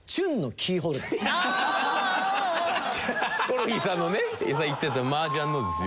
ヒコロヒーさんのね言ってたマージャンのですよ。